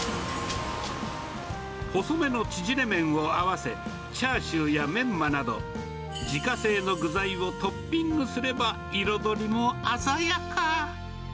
細めの縮れ麺を合わせ、チャーシューやメンマなど、自家製の具材をトッピングすれば、彩りも鮮やか。